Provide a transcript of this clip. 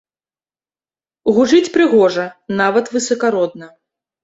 Гучыць прыгожа, нават высакародна.